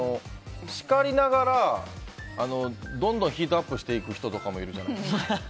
叱りながらどんどんヒートアップしていく人とかいるじゃないですか。